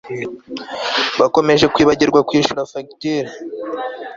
Bakomeje kwibagirwa kwishyura fagitire